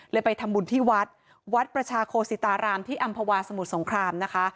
ไปทำบุญที่วัดวัดประชาโคสิตารามที่อำภาวาสมุทรสงครามนะคะ